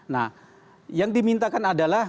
nah yang dimintakan adalah